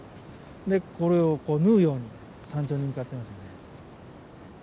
でこれを縫うように山頂に向かってますよね。